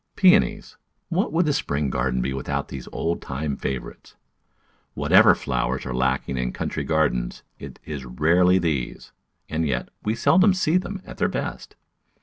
Peonies — what would the spring garden be with out these old time favourites? Whatever flowers are lacking in country gardens, it is rarely these ; and yet, we seldom see them at their best.